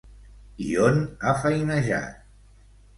I on ha feinejat?